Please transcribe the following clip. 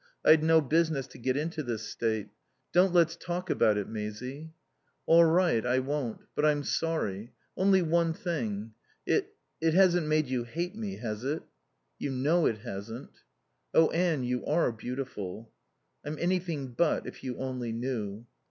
I'd no business to get into this state. Don't let's talk about it, Maisie." "All right, I won't. But I'm sorry.... Only one thing. It it hasn't made you hate me, has it?" "You know it hasn't." "Oh, Anne, you are beautiful." "I'm anything but, if you only knew."